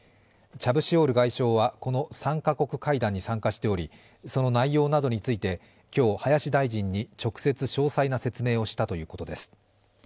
チャブシオール外相はこの３カ国会談に参加しておりその内容などについて今日、林大臣に直接詳細な説明をしたということです。